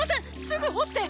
すぐ干して。